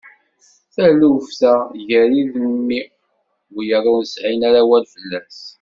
Taluft-a gar-i d mmi, wiyiḍ ur sɛin ara awal fell-as.